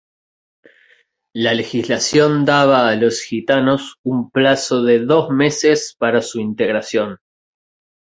La legislación daba a los gitanos un plazo de dos meses para su integración.